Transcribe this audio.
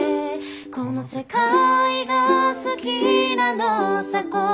「この世界が好きなのさ心から」